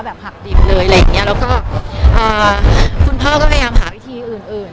หักดิบเลยอะไรอย่างเงี้ยแล้วก็อ่าคุณพ่อก็พยายามหาวิธีอื่นอื่น